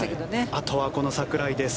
あとはこの櫻井です。